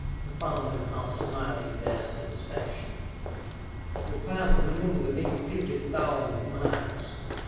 He found them half smiling their satisfaction. "We pass the Moon within fifty thousand miles!"